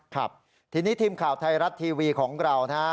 ครับทีนี้ทีมข่าวไทยรัฐทีวีของเรานะฮะ